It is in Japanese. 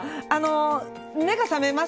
目が覚めます。